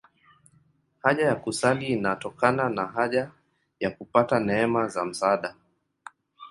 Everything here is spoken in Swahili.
Haja ya kusali inatokana na haja ya kupata neema za msaada.